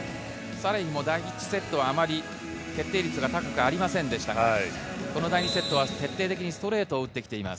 サーレヒも第１セットはあんまり決定率が高くありませんでしたが、第２セットは徹底的にストレートを打ってきています。